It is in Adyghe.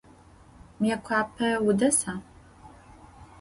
Mıêkhuape vudesa?